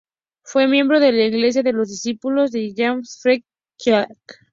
Fue miembro de la Iglesia de los Discípulos de James Freeman Clarke.